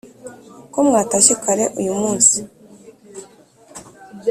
ko mwatashye kare uyu munsi